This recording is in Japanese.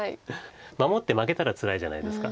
守って負けたらつらいじゃないですか。